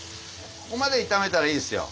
ここまで炒めたらいいですよ